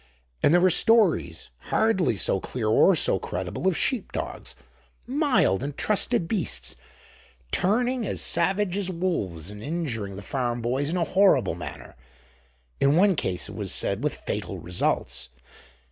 And there were stories, hardly so clear or so credible, of sheep dogs, mild and trusted beasts, turning as savage as wolves and injuring the farm boys in a horrible manner—in one case it was said with fatal results.